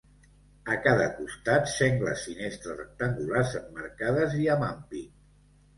A cada costat sengles finestres rectangulars emmarcades i amb ampit.